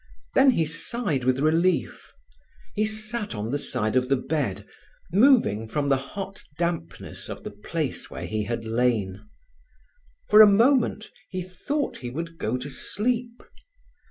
Then he sighed with relief. He sat on the side of the bed, moving from the hot dampness of the place where he had lain. For a moment he thought he would go to sleep.